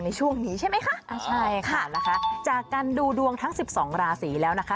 ในช่วงนี้ใช่ไหมคะอ่าใช่ค่ะนะคะจากการดูดวงทั้ง๑๒ราศีแล้วนะคะ